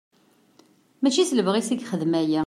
Mačči s lebɣi-s i ixeddem aya.